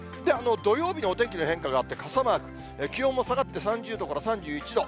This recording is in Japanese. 土曜日のお天気の変化があって、傘マーク、気温も下がって３０度から３１度。